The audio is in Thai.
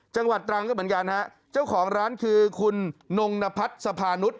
จังหวัดตรังก็เหมือนกันฮะเจ้าของร้านคือคุณนงนพัฒน์สภานุษย